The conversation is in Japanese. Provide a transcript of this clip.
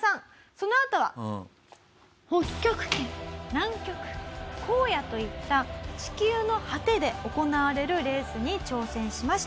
そのあとは北極圏南極荒野といった地球の果てで行われるレースに挑戦しました。